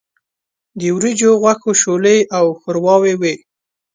د وریجو، غوښو، شولې او ښورواوې وو.